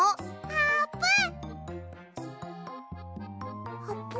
あーぷん！